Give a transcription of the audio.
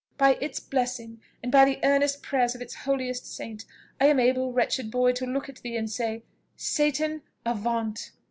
"By its blessing, and by the earnest prayers of its holiest saint, I am able, wretched boy, to look at thee, and say, Satan avaunt!